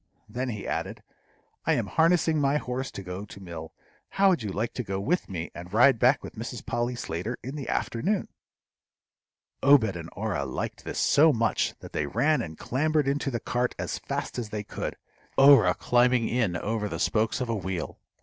Then he added, "I am harnessing my horse to go to mill; how would you like to go with me, and ride back with Mrs. Polly Slater in the afternoon?" Obed and Orah liked this so much that they ran and clambered into the cart as fast as they could, Orah climbing in over the spokes of a wheel.